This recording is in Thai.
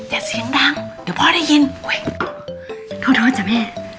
อย่าเสียงดังเดี๋ยวพอได้ยินโอ้ยโทษโทษจ๊ะแม่